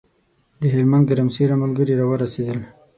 له هلمند ګرمسېره ملګري راورسېدل.